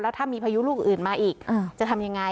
ถ้ามีพายุลูกอื่นมาอีกจะทำยังไง